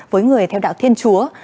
với người theo đạo thiên chúa